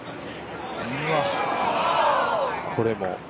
これも。